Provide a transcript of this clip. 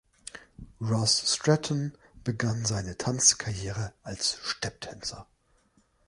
Ross Stretton begann seine Tanzkarriere als Stepptänzer.